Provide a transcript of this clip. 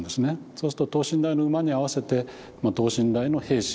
そうすると等身大の馬に合わせてまあ等身大の兵士